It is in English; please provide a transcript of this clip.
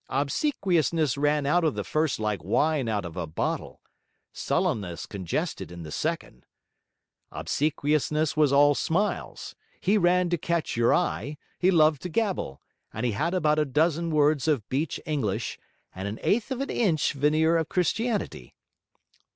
Obsequiousness ran out of the first like wine out of a bottle, sullenness congested in the second. Obsequiousness was all smiles; he ran to catch your eye, he loved to gabble; and he had about a dozen words of beach English, and an eighth of an inch veneer of Christianity.